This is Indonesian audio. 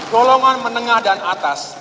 golongan menengah dan atas